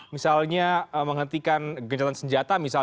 misalnya menghentikan gencatan senjata